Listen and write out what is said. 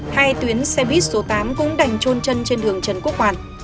hai tuyến xe buýt số tám cũng đành trôn chân trên đường trần quốc hoàn